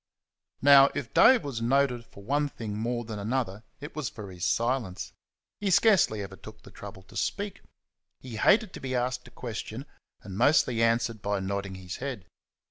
Now, if Dave was noted for one thing more than another it was for his silence. He scarcely ever took the trouble to speak. He hated to be asked a question, and mostly answered by nodding his head.